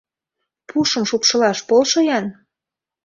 Пушым шупшылаш полшо-ян.